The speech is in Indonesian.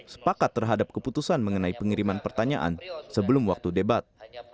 sepakat terhadap keputusan mengenai pengiriman pertanyaan sebelum waktu debat